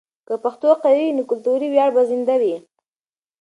که پښتو قوي وي، نو کلتوري ویاړ به زنده وي.